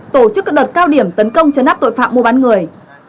tổ chức các đợt cao điểm tấn công chấn áp tội phạm mua bán người